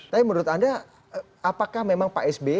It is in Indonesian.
tapi menurut anda apakah memang pak sby